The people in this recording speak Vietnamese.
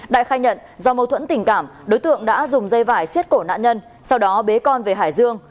đại khai nhận do mâu thuẫn tình cảm đối tượng đã dùng dây vải xiết cổ nạn nhân sau đó bế con về hải dương